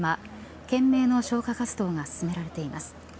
懸命の消火活動が進められています。